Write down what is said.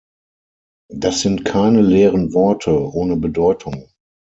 Das sind keine leeren Worte ohne Bedeutung.